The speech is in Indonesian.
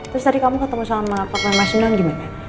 terus tadi kamu ketemu sama pak pai mas nino gimana